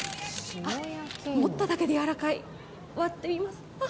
持っただけで柔らかい、割ってみます。